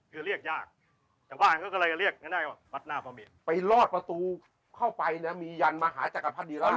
คือเรียกยากบ้านเขาก็เรียกวัดน่าเภาเมนไปลอดประตูครอบครั้งไปมียันเภามหาศักรรมภาคดิรันท์